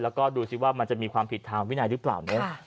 แล้วก็ดูสิว่ามันจะมีความผิดทางวินัยหรือเปล่าเนอะ